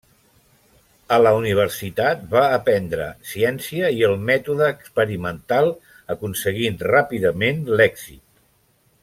A la universitat va aprendre ciència i el mètode experimental, aconseguint ràpidament l'èxit.